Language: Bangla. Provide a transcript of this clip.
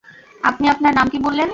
আপনি আপনার নাম কি বললেন?